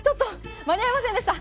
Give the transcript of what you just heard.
間に合いませんでした。